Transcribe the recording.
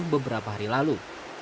beberapa hari lalu